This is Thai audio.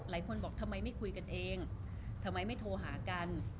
หลายคนบอกทำไมไม่คุยกันเองทำไมไม่โทรหากัน